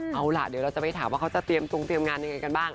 เอาล่ะเดี๋ยวเราจะไปถามว่าเขาจะเตรียมตรงเตรียมงานยังไงกันบ้าง